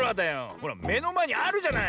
ほらめのまえにあるじゃない？